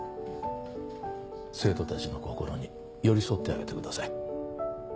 生徒たちの心に寄り添ってあげてください。